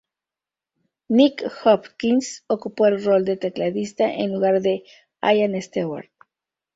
Nicky Hopkins ocupó el rol de tecladista en lugar de Ian Stewart.